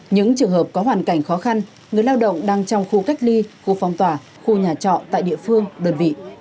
những trường hợp có hoàn cảnh khó khăn người lao động đang trong khu cách ly khu phong tỏa khu nhà trọ tại địa phương đơn vị